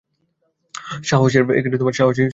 সাহস এর কী দেখলেন?